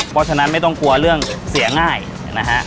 เพราะฉะนั้นไม่ต้องกลัวเรื่องเสียง่ายนะฮะ